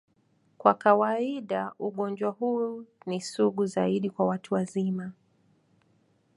Kwa kawaida, ugonjwa huu ni sugu zaidi kwa watu wazima.